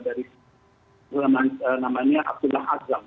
dari namanya abdullah azam